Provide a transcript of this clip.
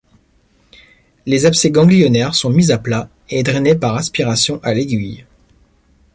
Les abcès ganglionaires sont mis à plat, et drainés par aspiration à l'aiguille.